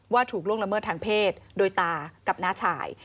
ถูกล่วงละเมิดทางเพศโดยตากับน้าชาย